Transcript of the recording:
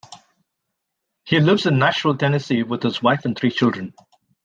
He lives in Nashville, Tennessee with his wife and three children.